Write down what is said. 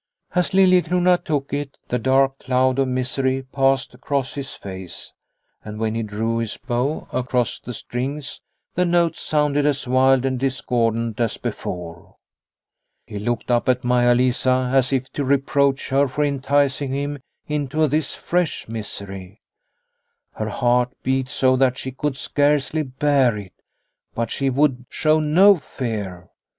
" As Liliecrona took it, the dark cloud of misery passed across his face, and when he drew his bow across the strings, the notes sounded as wild and discordant as before. He looked up at Maia Lisa, as if to reproach her for enticing him into this fresh misery. Her heart beat so that she could scarcely bear it, but she would show no fear.